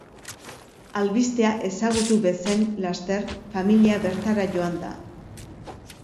Albistea ezagutu bezain laster, familia bertara joan da.